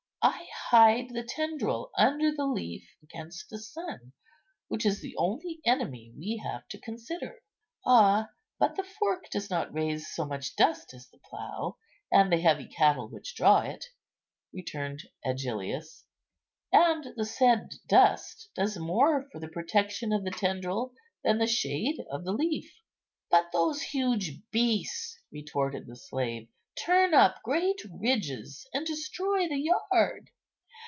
I hide the tendril under the leaf against the sun, which is the only enemy we have to consider." "Ah! but the fork does not raise so much dust as the plough and the heavy cattle which draw it," returned Agellius; "and the said dust does more for the protection of the tendril than the shade of the leaf." "But those huge beasts," retorted the slave, "turn up great ridges, and destroy the yard."